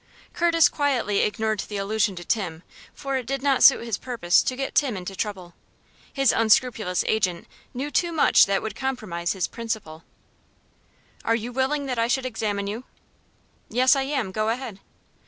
Curtis quietly ignored the allusion to Tim, for it did not suit his purpose to get Tim into trouble. His unscrupulous agent knew too much that would compromise his principal. "Are you willing that I should examine you?" "Yes, I am. Go ahead."